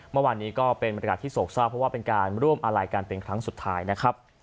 เมื่อวานนี้ก็เป็นบรรยากาศที่โศกเศร้าเพราะว่าเป็นการร่วมอาลัยกันเป็นครั้งสุดท้ายนะครับ